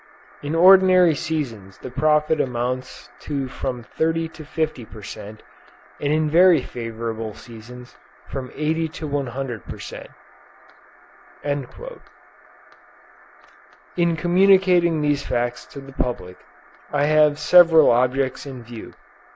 In ordinary seasons the profit amounts to from 30 to 50 per cent, and in very favorable seasons from 80 to 100 per cent." In communicating these facts to the public, I have several objects in view.